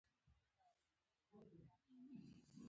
یو سړي ورته نصیحت کاوه چې ولې هلته تللی دی.